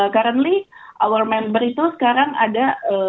currently our member itu sekarang ada enam